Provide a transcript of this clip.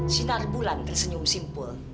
sinar bulan tersenyum simpul